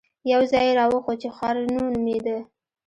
يو ځاى يې راوښود چې ښارنو نومېده.